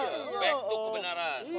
back to kebenaran